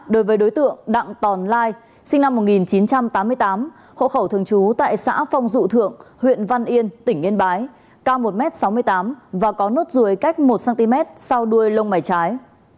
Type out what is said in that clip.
đối với đối tượng đặng tòn lai sinh năm một nghìn chín trăm tám mươi tám hộ khẩu thường trú tại xã phong dụ thượng huyện văn yên tỉnh yên bái cao một m sáu mươi tám và có nốt ruồi cách một cm sau đuôi lông mảy trái